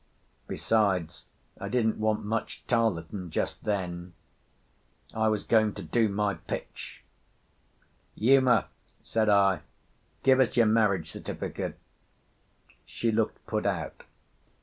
Besides, I didn't want much Tarleton just then. I was going to do my pitch. "Uma," said I, "give us your marriage certificate." She looked put out.